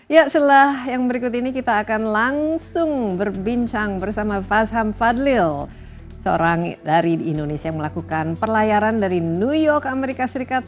ya setelah yang berikut ini kita akan langsung berbincang bersama fasham fadlil seorang dari indonesia yang melakukan perlayaran dari new york amerika serikat